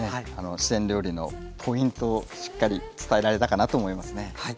四川料理のポイントをしっかり伝えられたかなと思いますね。